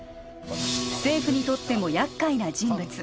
政府にとってもやっかいな人物